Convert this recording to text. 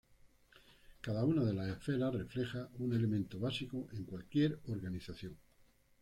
Cada una de las esferas refleja un elemento básico en cualquier organización.